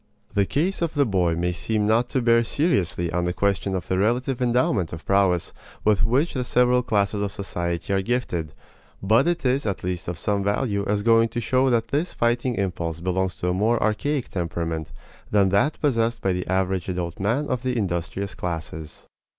The case of the boy may seem not to bear seriously on the question of the relative endowment of prowess with which the several classes of society are gifted; but it is at least of some value as going to show that this fighting impulse belongs to a more archaic temperament than that possessed by the average adult man of the industrious classes.